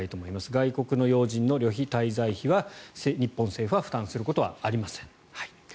外国要人の旅費、滞在費は日本政府は負担することはありません。